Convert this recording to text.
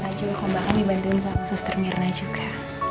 mbak juga kok bahkan dibantuin sama suster mirna juga